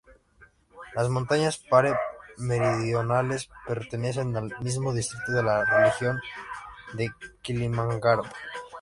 Las montañas Pare Meridionales pertenecen al mismo distrito de la región de Kilimanjaro.